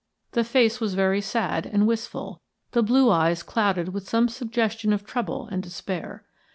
The face was very sad and wistful, the blue eyes clouded with some suggestion of trouble and despair.